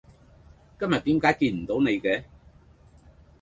今日點解見唔到你嘅